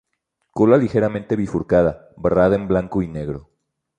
Cola ligeramente bifurcada, barrada en blanco y negro.